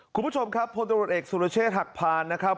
คุณผู้ชมครับพลตรวจเอกสุรเชษฐหักพานนะครับ